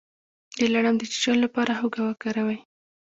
د لړم د چیچلو لپاره هوږه وکاروئ